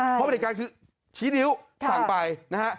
เพราะบริการคือชี้นิ้วสั่งไปนะฮะ